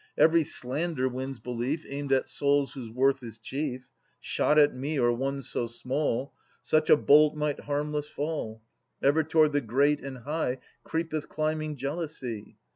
Every slander wins belief Aimed at souls whose worth is chief : Shot at me, or one so small. Such a bolt might harmless fall. Ever toward the great and high Creepeth climbing jealousy.